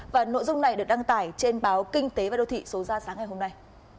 và nội dung này được đăng tải trên báo kinh tế và đô thị số ra sáng ngày hôm nay